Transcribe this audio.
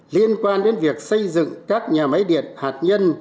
liên quan đến việc xây dựng các nhà máy điện hạt nhân